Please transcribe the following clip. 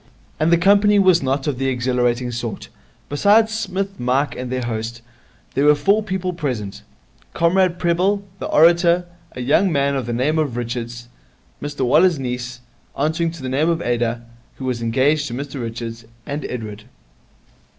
And the company was not of the exhilarating sort. Besides Psmith and Mike and their host, there were four people present Comrade Prebble, the orator; a young man of the name of Richards; Mr Waller's niece, answering to the name of Ada, who was engaged to Mr Richards; and Edward.